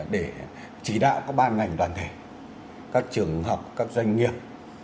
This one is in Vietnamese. để chỉ đạo các ban ngành đoàn thể các trường học các doanh nghiệp